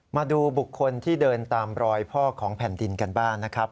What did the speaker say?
มาดูบุคคลที่เดินตามรอยพ่อของแผ่นดินกันบ้างนะครับ